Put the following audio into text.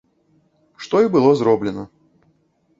Што і было зроблена.